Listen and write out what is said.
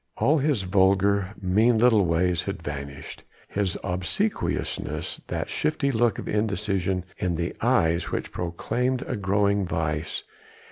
All his vulgar, mean little ways had vanished, his obsequiousness, that shifty look of indecision in the eyes which proclaimed a growing vice.